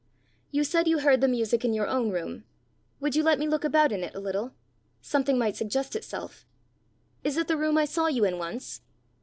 You said you heard the music in your own room: would you let me look about in it a little? something might suggest itself! Is it the room I saw you in once?"